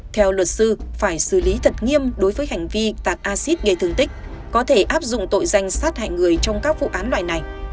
theo luật sư phải xử lý thật nghiêm đối với hành vi tạc acid gây thương tích có thể áp dụng tội danh sát hại người trong các vụ án loài này